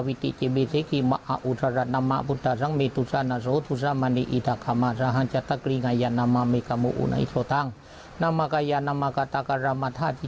วะกะละเยสตาตุนรมันดักกะสิติยะดานักไย